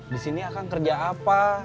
disini akang kerja apa